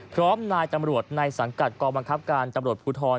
นายตำรวจในสังกัดกองบังคับการตำรวจภูทร